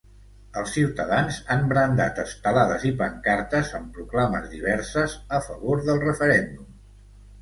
Els ciutadans han brandat estelades i pancartes amb proclames diverses a favor del referèndum.